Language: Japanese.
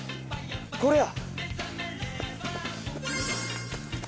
これや。